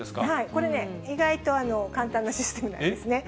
これね、意外と簡単なシステムなんですね。